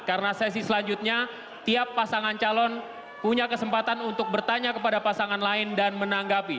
karena sesi selanjutnya tiap pasangan calon punya kesempatan untuk bertanya kepada pasangan lain dan menanggapi